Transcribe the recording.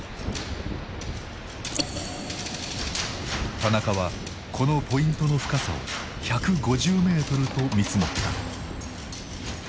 田中はこのポイントの深さを１５０メートルと見積もった。